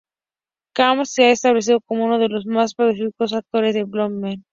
Khan se ha establecido como uno de los más prolíficos actores de Bollywood.